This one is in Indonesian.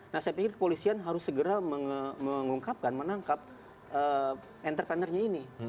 nah saya pikir kepolisian harus segera mengungkapkan menangkap entrepreneurnya ini